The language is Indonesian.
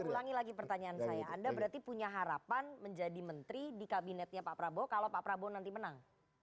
saya ulangi lagi pertanyaan saya anda berarti punya harapan menjadi menteri di kabinetnya pak prabowo kalau pak prabowo nanti menang